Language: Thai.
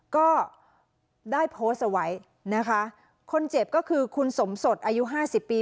ก็ได้โพสต์เอาไว้นะคะคนเจ็บก็คือคุณสมสดอายุห้าสิบปี